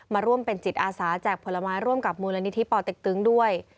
มาร่วมเป็นจิตอาสาแจกผลไม้ร่วมกับมูลนิธิปอเต็กตึงด้วย